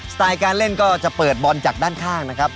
ไตล์การเล่นก็จะเปิดบอลจากด้านข้างนะครับ